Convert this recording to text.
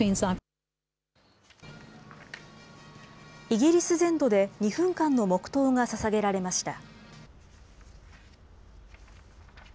イギリス全土で２分間の黙とうがささげられました。